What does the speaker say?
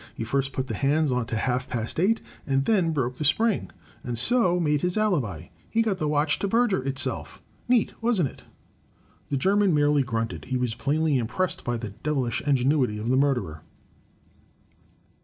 He first put the hands on to half past eight and then broke the spring, and so made his alibi. He got the watch to perjure itself. Neat, wasn't it?" The German merely grunted. He was plainly impressed by the devilish ingenuity of the murderer.